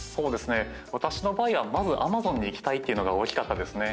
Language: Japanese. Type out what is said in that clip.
私の場合は、まずアマゾンに行きたいっていうのが大きかったですね。